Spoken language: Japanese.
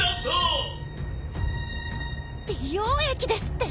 美容液ですって！？